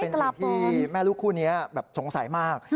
เป็นสิ่งที่แม่ลูกคู่นี้แบบสงสัยมาก